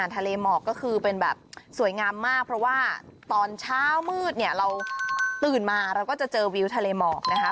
ทะเลหมอกก็คือเป็นแบบสวยงามมากเพราะว่าตอนเช้ามืดเนี่ยเราตื่นมาเราก็จะเจอวิวทะเลหมอกนะคะ